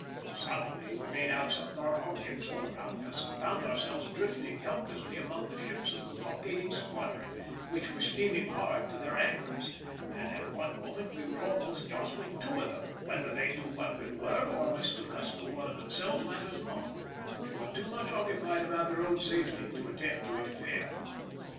Suddenly we made out some dark objects all round us, and found ourselves drifting helplessly among the ships of the blockading squadron, which were steaming hard to their anchors, and at one moment we were almost jostling two of them; whether they knew what we were, or mistook us for one of themselves matters not; they were too much occupied about their own safety to attempt to interfere.